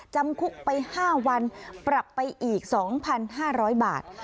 จำคุกไป๕วันปรับไปอีก๒๕๐๐บาท